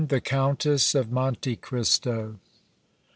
THE COUNTESS OF MONTE CRISTO.